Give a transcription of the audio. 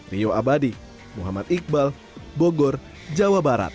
rio abadi muhammad iqbal bogor jawa barat